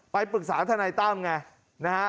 ไปปรึกษาทนายตั้มไงนะฮะ